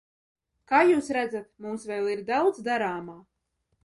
Kā jūs redzat, mums vēl ir daudz darāmā.